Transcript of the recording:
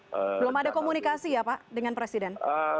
belum ada komunikasi ya pak dengan presiden